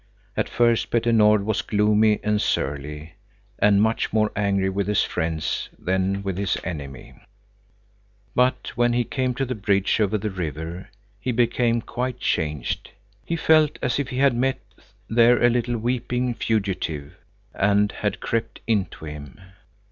At first Petter Nord was gloomy and surly, and much more angry with his friends than with his enemy. But when he came to the bridge over the river, he became quite changed. He felt as if he had met there a little, weeping fugitive, and had crept into him.